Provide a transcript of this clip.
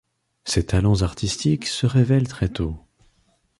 Ses talents artistiques se révèlent très tôt.